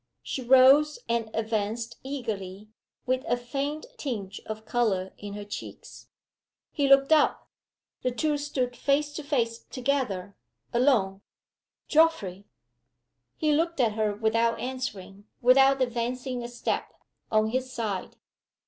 She rose and advanced eagerly, with a faint tinge of color in her cheeks. He looked up. The two stood face to face together alone. "Geoffrey!" He looked at her without answering without advancing a step, on his side.